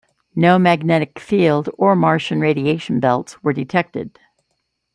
No magnetic field or Martian radiation belts were detected.